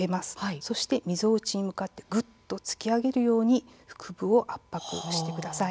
そしてみぞおちに向かってぐっと突き上げるように腹部を圧迫してください。